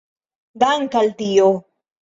Dank' al Dio!